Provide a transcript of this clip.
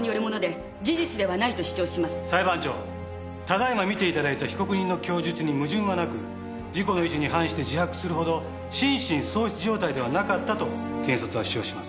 ただ今見ていただいた被告人の供述に矛盾はなく自己の意思に反して自白するほど心神喪失状態ではなかったと検察は主張します。